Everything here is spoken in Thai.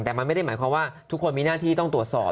แต่มันไม่ได้หมายความว่าทุกคนมีหน้าที่ต้องตรวจสอบ